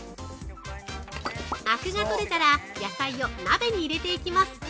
◆アクが取れたら野菜を鍋に入れていきます。